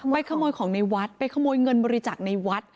ขโมยของในวัดไปขโมยเงินบริจาคในวัด